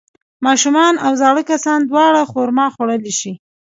ماشومان او زاړه کسان دواړه خرما خوړلی شي.